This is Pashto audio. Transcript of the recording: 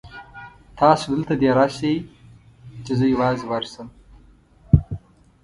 تاسو دلته دېره شئ چې زه یوازې ورشم.